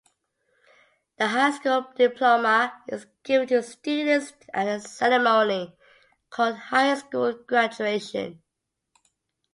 The high school diploma is given to students at a ceremony called high-school graduation.